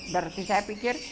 berarti saya pikir